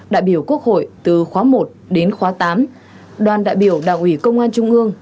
đại biểu quốc hội từ khóa một đến khóa tám đoàn đại biểu đảng ủy công an trung ương